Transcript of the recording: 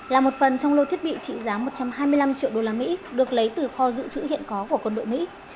là một phần trong lô thiết bị trị giá một trăm hai mươi năm triệu đô la mỹ được lấy từ kho dự trữ hiện có của quân đội mỹ